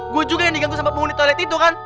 gue juga yang diganggu sama penghuni toilet itu kan